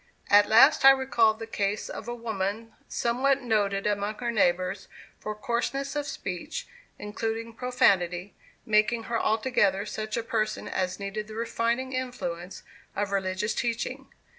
At last I recalled the case of a woman, somewhat noted among her neighbors for coarseness of speech, including profanity, making her altogether such a person as needed the refining influence of religious teaching.